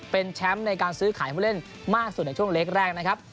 เป็นแชมป์ในการซื้อขายผู้เล่นมากสุดในช่วงเล็กแรกนะครับ